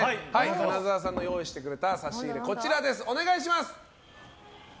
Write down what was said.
花澤さんの用意してくれた差し入れ、こちらです。